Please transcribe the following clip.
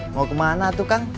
mau kemana tuh kang